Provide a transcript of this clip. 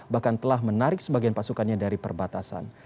bahkan telah menarik sebagian pasukannya dari perbatasan